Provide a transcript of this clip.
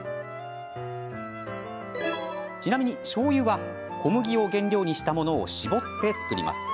ちなみに、しょうゆは小麦を原料にしたものを搾って造ります。